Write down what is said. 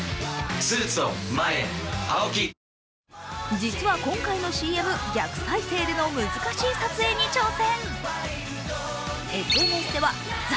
実は今回のＣＭ、逆再生での難しい撮影に挑戦。